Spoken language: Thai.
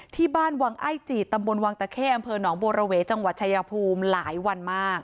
ที่บ้านวังไอ้จีดตำบลวังตะเข้อำเภอหนองบัวระเวจังหวัดชายภูมิหลายวันมาก